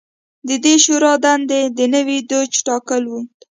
د دې شورا دنده د نوي دوج ټاکل و